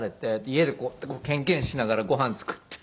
家でこうやってケンケンしながらご飯作って。